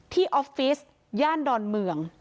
ออฟฟิศย่านดอนเมือง